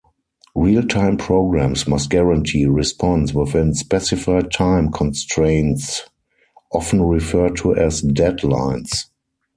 Real-time programs must guarantee response within specified time constraints, often referred to as "deadlines".